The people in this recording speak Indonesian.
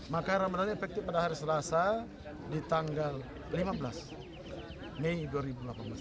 maka ramadan efektif pada hari selasa di tanggal lima belas mei dua ribu delapan belas